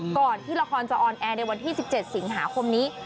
ก่อนที่ละครจะออนแอร์ในวันที่๑๗สิงหาคมนี้